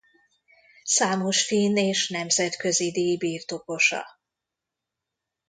Számos finn és nemzetközi díj birtokosa.